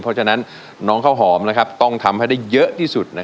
เพราะฉะนั้นน้องข้าวหอมต้องทำให้ได้เยอะที่สุด